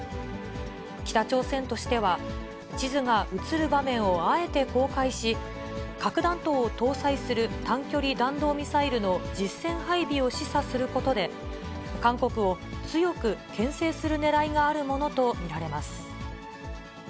北朝鮮としては、地図が映る場面をあえて公開し、核弾頭を搭載する短距離弾道ミサイルの実戦配備を示唆することで、韓国を強くけん制するねらいがあるものと見られます。